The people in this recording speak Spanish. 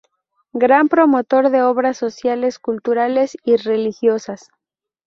Gran promotor de obras sociales, culturales y religiosas.